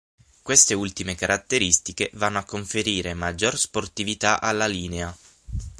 Queste ultime caratteristiche vanno a conferire maggior sportività alla linea.